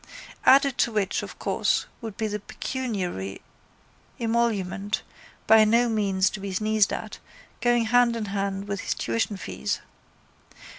Added to which of course would be the pecuniary emolument by no means to be sneezed at, going hand in hand with his tuition fees.